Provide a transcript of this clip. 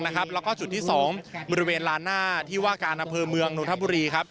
แล้วก็จุดที่๒บริเวณลานหน้าที่ว่าการอำเภอเมืองนนทบุรีครับ